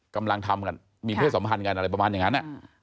กำลังทำกันมีเพศสัมพันธ์กันอะไรประมาณอย่างนั้น